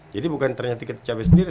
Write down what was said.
jadi bukan ternyata kita capek sendiri